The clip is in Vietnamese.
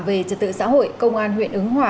về trật tự xã hội công an huyện ứng hòa